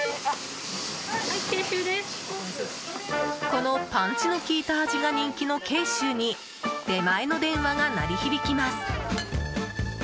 このパンチの効いた味が人気の慶修に出前の電話が鳴り響きます。